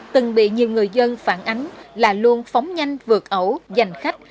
từng bị nhiều người dân phản ánh là luôn phóng nhanh vượt ẩu giành khách